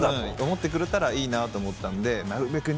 思ってくれたらいいなと思ったんで。